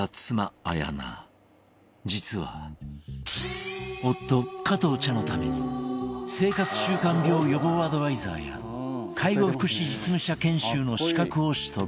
実は夫加藤茶のために生活習慣病予防アドバイザーや介護福祉実務者研修の資格を取得